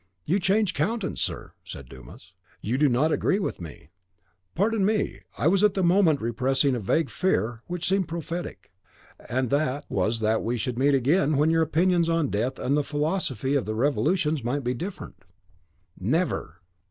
"You change countenance, sir," said Dumas; "you do not agree with me." "Pardon me, I was at that moment repressing a vague fear which seemed prophetic." "And that " "Was that we should meet again, when your opinions on Death and the philosophy of Revolutions might be different." "Never!"